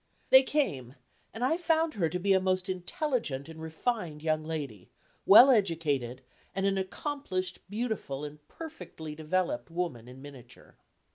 They came, and I found her to be a most intelligent and refined young lady, well educated, and an accomplished, beautiful and perfectly developed woman in miniature.